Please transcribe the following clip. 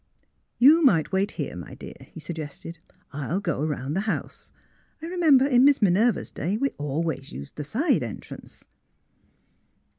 '' You might wait here, my dear, '' he suggested ;'* I'll go 'round the house. I remember in Miss Minerva's day we always used the side entrance."